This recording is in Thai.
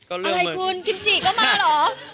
อะไรนี่คุณคมจิกว่ามั้นหรอ